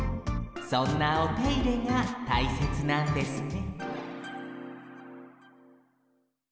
そんなおていれがたいせつなんですね